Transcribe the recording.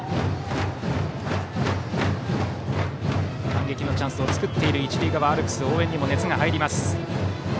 反撃のチャンスを作っている一塁側アルプス応援にも熱が入ります。